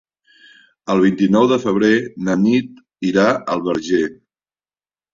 El vint-i-nou de febrer na Nit irà al Verger.